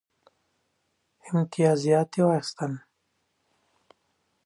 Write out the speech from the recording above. امتیازات یې واخیستل.